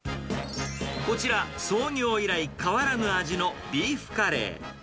こちら、創業以来変わらぬ味のビーフカレー。